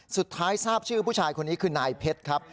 ทราบชื่อผู้ชายคนนี้คือนายเพชรครับ